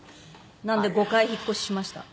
なので５回引っ越ししました。